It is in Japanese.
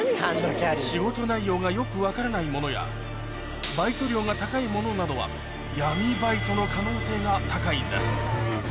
仕事内容がよく分からないものやバイト料が高いものなどはが高いんです